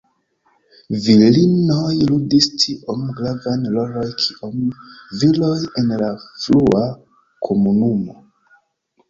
Virinoj ludis tiom gravan roloj kiom viroj en la frua komunumo.